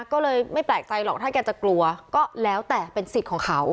ก็เลยไม่แปลกใจหรอกถ้าแกจะกลัวก็แล้วแต่เป็นสิทธิ์ของเขา